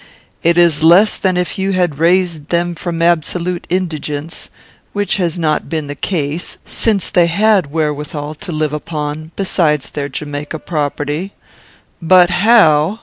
It is less than if you had raised them from absolute indigence, which has not been the case, since they had wherewithal to live upon besides their Jamaica property. But how?"